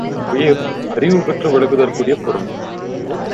உயிர் அறிவுபெற்று விளங்குதற்குரிய பொருள்.